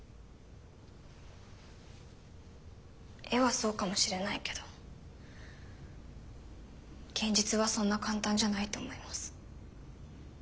絵はそうかもしれないけど現実はそんな簡単じゃないと思います。